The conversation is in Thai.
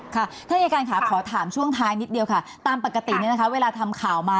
ค่ะท่านอายการค่ะขอถามช่วงท้ายนิดเดียวค่ะตามปกติเนี่ยนะคะเวลาทำข่าวมา